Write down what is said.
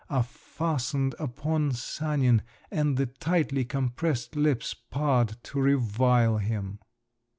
are fastened upon Sanin, and the tightly compressed lips part to revile him….